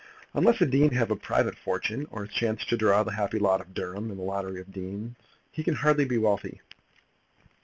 Unless a dean have a private fortune, or has chanced to draw the happy lot of Durham in the lottery of deans, he can hardly be wealthy.